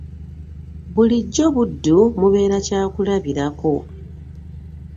Bulijjo Buddu mubeera kyakulabirako